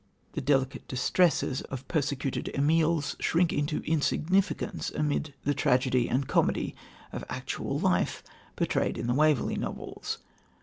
The "delicate distresses" of persecuted Emilies shrink into insignificance amid the tragedy and comedy of actual life portrayed in The Waverley Novels.